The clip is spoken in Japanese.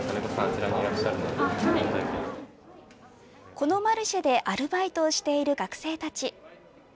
このマルシェでアルバイトをしている学生たち。